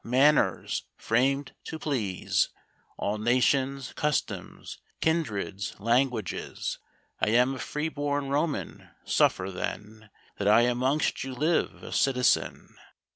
manners! framed to please All nations, customs, kindreds, languages! I am a free born Roman; suffer then That I amongst you live a citizen.